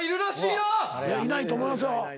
いやいないと思いますよ。